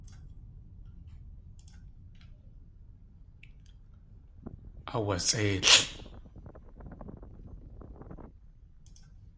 Aawasʼéilʼ.